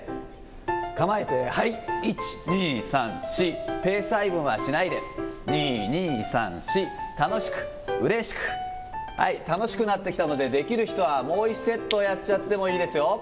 構えて、はい、１、２、３、４、ペース配分はしないで、２、２、３、４、楽しく、うれしく、はい、楽しくなってきたのでできる人はもう１セットやっちゃってもいいですよ。